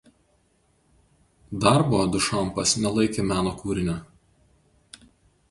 Darbo Duchampas nelaikė meno kūriniu.